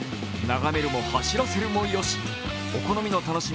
眺めるも走らせるもよし。